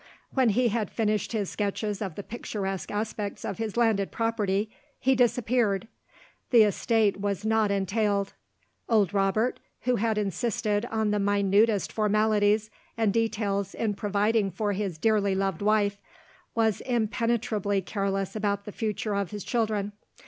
When he had finished his sketches of the picturesque aspects of his landed property, he disappeared. The estate was not entailed. Old Robert who had insisted on the minutest formalities and details in providing for his dearly loved wife was impenetrably careless about the future of his children.